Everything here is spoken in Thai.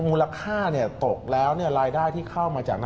โอ้โฮพี่ทศแต่ละปีนี่ใหญ่ไหม